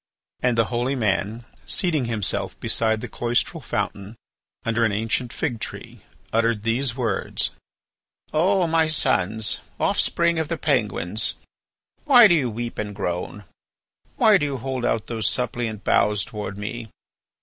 And the holy man, seating himself beside the cloistral fountain under an ancient fig tree, uttered these words: "O my sons, offspring of the Penguins, why do you weep and groan? Why do you hold out those suppliant boughs towards me?